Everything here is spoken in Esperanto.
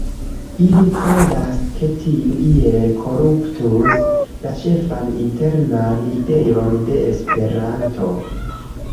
Ili kredas, ke tiu iel koruptus la ĉefan internan ideon de Esperanto